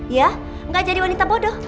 ya nggak jadi wanita bodoh